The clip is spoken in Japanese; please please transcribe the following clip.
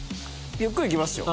ゆっくりいきますよ。